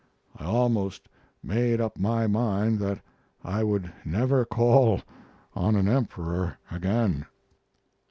I almost made up my mind that I would never call on an Emperor again.